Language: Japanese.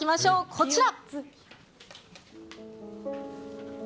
こちら。